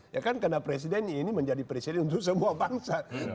ya kan karena presiden ini menjadi presiden untuk semua bangsa